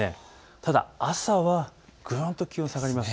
ただ朝は気温が下がります。